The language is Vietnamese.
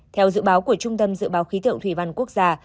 theo dự báo của trung tâm dự báo khí tượng thủy văn quốc gia